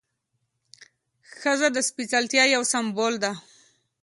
ښځه د سپېڅلتیا یو سمبول ده.